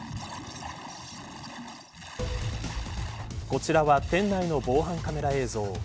こちらは店内の防犯カメラ映像。